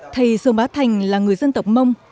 thầy sơn bá thành là người dân tộc mông